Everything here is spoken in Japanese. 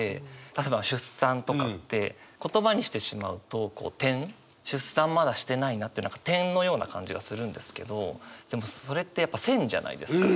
例えば出産とかって言葉にしてしまうとこう点出産まだしてないなって点のような感じがするんですけどでもそれってやっぱ線じゃないですか。